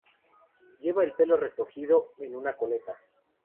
Lleva el pelo recogido en una coleta.